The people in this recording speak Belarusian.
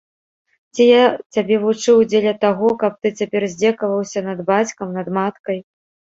Ці я цябе вучыў дзеля таго, каб ты цяпер здзекаваўся над бацькам, над маткай!